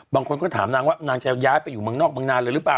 บางคนก็ถามนางว่านางจะย้ายไปอยู่เมืองนอกเมืองนานเลยหรือเปล่า